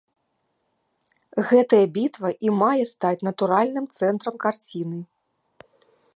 Гэтая бітва і мае стаць натуральным цэнтрам карціны.